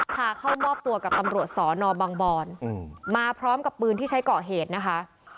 พาเข้ามอบตัวกับตำรวจสอนอบังบอนมาพร้อมกับปืนที่ใช้ก่อเหตุนะคะ